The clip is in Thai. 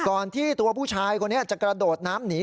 ที่ตัวผู้ชายคนนี้จะกระโดดน้ำหนี